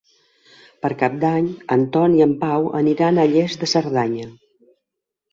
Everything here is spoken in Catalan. Per Cap d'Any en Tom i en Pau aniran a Lles de Cerdanya.